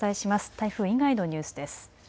台風以外のニュースです。